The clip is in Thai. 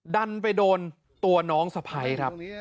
ดันไปโดนตัวน้องสะพ้ายครับ